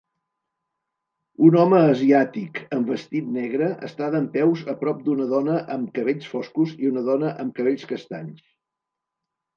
Un home asiàtic amb vestit negre està dempeus a prop d'una dona amb cabells foscos i una dona amb cabells castanys.